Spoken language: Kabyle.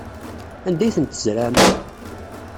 Anda ay tent-tzerɛem?